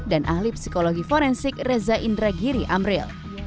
dan ahli psikologi forensik reza indragiri amril